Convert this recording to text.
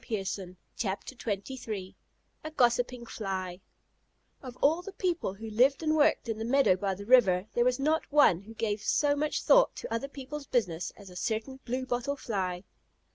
A GOSSIPING FLY Of all the people who lived and worked in the meadow by the river, there was not one who gave so much thought to other people's business as a certain Blue bottle Fly.